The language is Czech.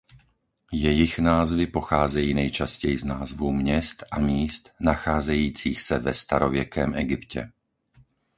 Jejich názvy pocházejí nejčastěji z názvů měst a míst nacházejících se ve starověkém Egyptě.